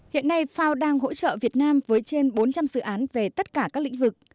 hiện nay fao đang hỗ trợ việt nam với trên bốn trăm linh dự án về tất cả các lĩnh vực